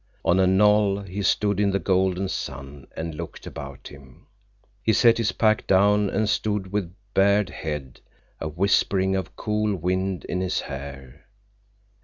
On a knoll he stood in the golden sun and looked about him. He set his pack down and stood with bared head, a whispering of cool wind in his hair.